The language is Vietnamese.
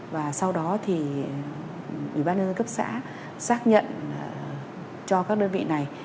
và sau đó thì ủy ban nhân dân cấp xã xác nhận cho các đơn vị này